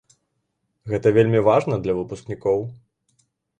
Гэта вельмі важна для выпускнікоў.